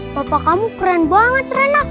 bapak kamu keren banget rena